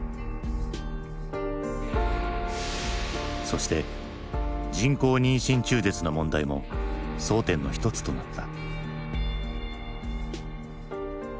そして人工妊娠中絶の問題も争点の一つとなった。